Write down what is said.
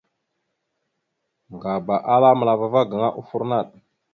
Ŋgaba ala məla ava gaŋa offor naɗ.